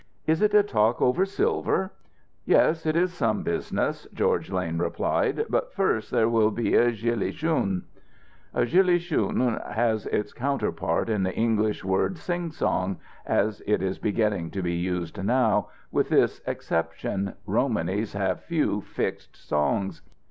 Is it a talk over silver?" "Yes, it is some business," George Lane replied, "but first there will be a gillie shoon." A gillie shoon has its counterpart in the English word "singsong," as it is beginning to be used now, with this exception: Romanys have few "fixed" songs.